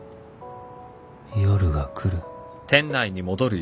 夜が来る